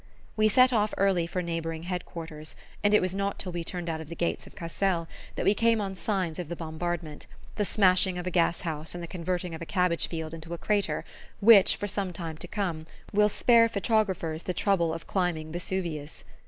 We set off early for a neighbouring Head quarters, and it was not till we turned out of the gates of Cassel that we came on signs of the bombardment: the smashing of a gas house and the converting of a cabbage field into a crater which, for some time to come, will spare photographers the trouble of climbing Vesuvius.